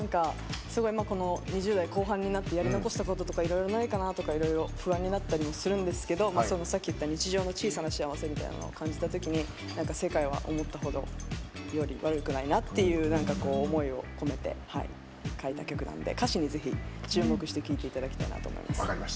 ２０代後半になってやり残したこととかいろいろないかなとか不安になったりするんですけどさっき言った日常の小さな幸せを感じたときに世界は思ったより悪くないなっていう思いを込めて書いた曲なんで歌詞にぜひ注目して聴いていただきたいなと思います。